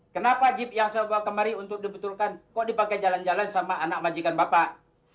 kenapa jeep yang saya bawa kemari untuk dibetulkan kok dipakai jalan jalan sama anak majikan bapak